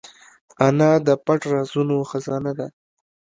انا د پټ رازونو خزانه ده